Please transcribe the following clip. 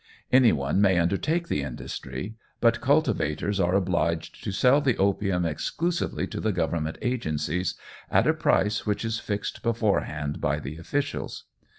Any one may undertake the industry, but cultivators are obliged to sell the opium exclusively to the Government agencies, at a price which is fixed beforehand by the officials.